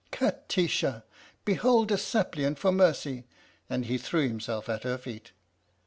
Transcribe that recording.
"" Kati sha! behold a suppliant for mercy! " And he threw himself at her feet.